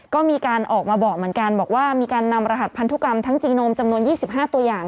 ก็มีการออกมาบอกเหมือนกันบอกว่ามีการนำรหัสพันธุกรรมทั้งจีโนมจำนวน๒๕ตัวอย่าง